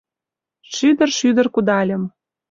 Шӱдыр-шӱдыр кудальым